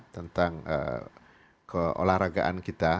tentang keolahragaan kita